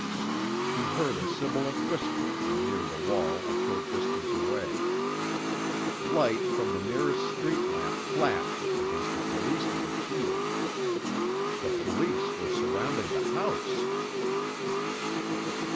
He heard a sibilant whisper from near the wall a short distance away. Light from the nearest street lamp flashed against a policeman's shield. The police were surrounding the house!